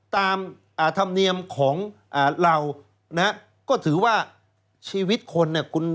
ตามธรรมเนียมของเรานะฮะก็ถือว่าชีวิตคนเนี่ย